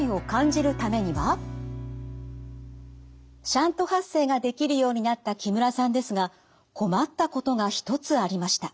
シャント発声ができるようになった木村さんですが困ったことが一つありました。